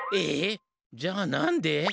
えじゃあなんで？